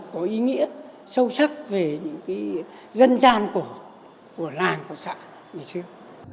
có ý nghĩa sâu sắc về những cái dân gian của làng của xã ngày xưa